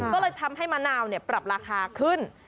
ก็เลยทำให้มะนาวปรับราคาขึ้น